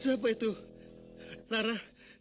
siapa itu lara